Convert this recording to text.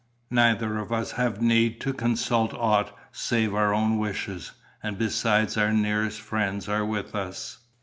"Neither of us have need to consult aught save our own wishes; and besides our nearest friends are with us."